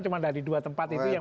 cuma dari dua tempat itu yang